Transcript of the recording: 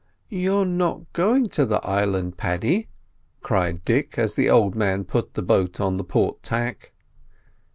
"You're not going to the island, Paddy," cried Dick, as the old man put the boat on the port tack.